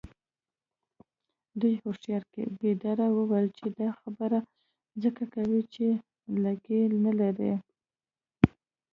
یوې هوښیارې ګیدړې وویل چې دا خبره ځکه کوې چې لکۍ نلرې.